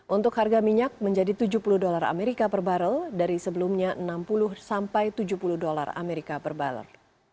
untuk harga minyak menjadi tujuh puluh dolar amerika per barrel dari sebelumnya enam puluh sampai tujuh puluh dolar amerika per barrel